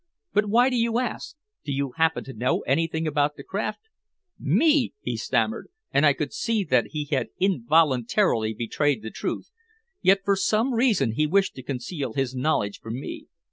"But why do you ask? Do you happen to know anything about the craft?" "Me!" he stammered, and I could see that he had involuntarily betrayed the truth, yet for some reason he wished to conceal his knowledge from me.